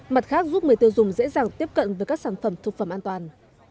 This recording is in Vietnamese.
mặt khác giúp người tiêu dùng dễ dàng tiếp cận với các sản phẩm thực phẩm an toàn